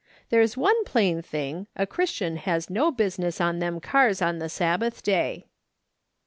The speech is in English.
There's one plain thing, a Chris tian has no business on them cars on the Sabbath day."